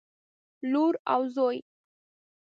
لور او زوى